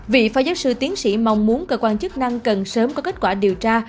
vị phó giáo sư tiến sĩ mong muốn cơ quan chức năng cần sớm có kết quả điều tra